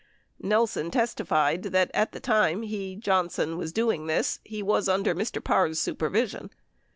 Nelson testified that "... at the time he (Johnson) was doing this he was under Mr. Parr's supervision."